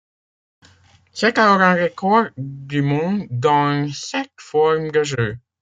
C'est alors un record du monde dans cette forme de jeu.